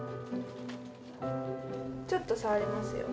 ちょっと触りますよ。